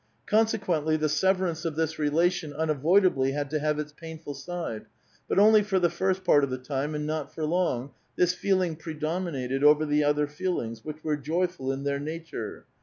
Consequently, the severance of this relation unavoidably liad to have its painful side ; but only for tlie first part of the time, and not for long, this feeling predominated over the other feelings, which were joyful in their nature.